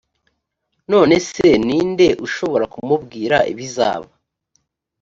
none se ni nde ushobora kumubwira ibizaba